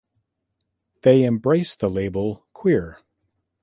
They embrace the label queer.